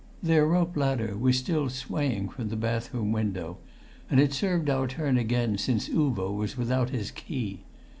Their rope ladder was still swaying from the bathroom window, and it served our turn again since Uvo was without his key.